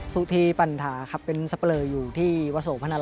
สุธีปัญหาครับเป็นสเปลออยู่ที่วัศโภพนราม